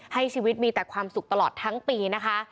ให้ชีวิตมีแต่ความสุขตลอดทั้งปีนะคะ